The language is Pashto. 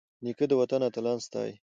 نیکه د وطن اتلان ستايي.